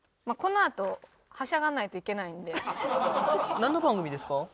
なんの番組ですか？